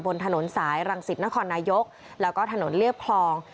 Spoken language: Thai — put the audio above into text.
บนถนนสายรังสิตนครนายกแล้วก็ถนนเรียบคลอง